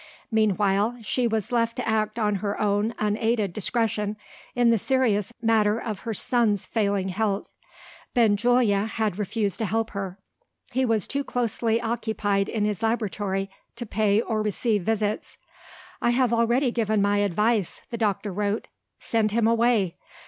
Meanwhile, she was left to act on her own unaided discretion in the serious matter of her son's failing health. Benjulia had refused to help her; he was too closely occupied in his laboratory to pay or receive visits. "I have already given my advice" (the doctor wrote). "Send him away.